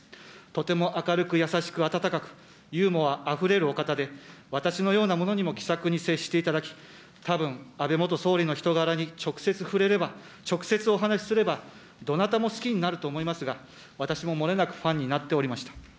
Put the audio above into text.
とても明るく、優しく、温かく、ユーモアあふれるお方で、私のようなものにも気さくに接していただき、たぶん、安倍元総理の人柄に直接触れれば、直接お話すれば、どなたも好きになると思いますが、私ももれなくファンになっておりました。